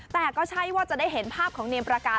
แต่ก็ใช่ว่าจะได้เห็นภาพของเนมประการ